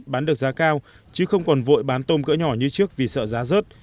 bán được giá cao chứ không còn vội bán tôm cỡ nhỏ như trước vì sợ giá rớt